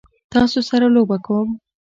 تاسو سره لوبه کوم؟